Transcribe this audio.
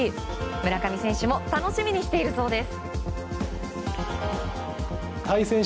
村上選手も楽しみにしているそうです。